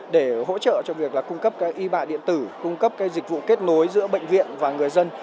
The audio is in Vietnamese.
để hỗ trợ cho việc là cung cấp y bạ điện tử cung cấp dịch vụ kết nối giữa bệnh viện và người dân